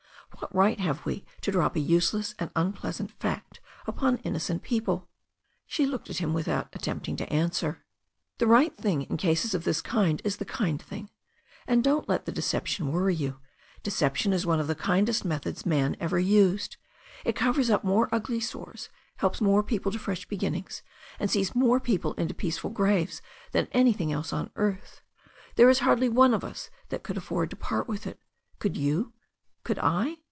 What right have we to drop a useless and unpleasant fact upon innocent people?" She looked at him without attempting to answer.. "The right thing in cases of this kind is the kind thing. And don't let the deception worry you. Deception is one of the kindest methods man ever used. It covers up more ugly sores, helps more people to fresh beginnings, and sees more people into peaceful graves than anything else on earth. There is hardly one of us that could afford to part with it. Could you? Could I?"